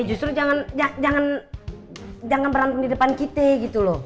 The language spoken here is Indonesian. ya justru jangan jangan jangan berantem di depan kita gitu loh